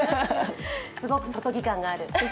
すごく外着感がある。